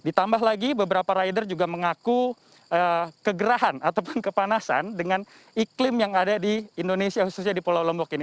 ditambah lagi beberapa rider juga mengaku kegerahan ataupun kepanasan dengan iklim yang ada di indonesia khususnya di pulau lombok ini